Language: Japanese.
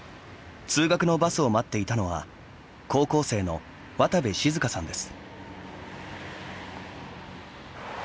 通学のバスを待っていたのは高校生の渡部静華さんです。